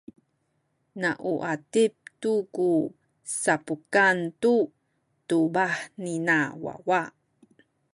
na u atip tu ku sapukan tu tubah nina wawa.